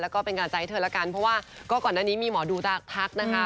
แล้วก็เป็นกำลังใจให้เธอละกันเพราะว่าก็ก่อนหน้านี้มีหมอดูทักนะคะ